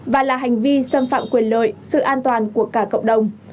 và là hành vi xâm phạm quyền lợi sự an toàn của cả cộng đồng